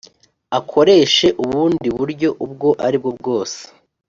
akoreshe ubundi buryo ubwo ari bwo bwose